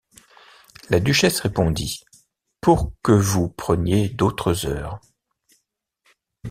La duchesse répondit: — Pour que vous preniez d’autres heures...